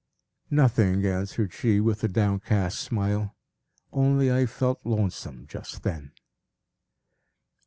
"Nothing," answered she, with a downcast smile. "Only I felt lonesome just then."